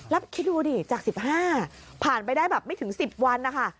แล้วคิดดูดิจาก๑๕ผ่านไปได้แบบไม่ถึง๑๐วันนะคะ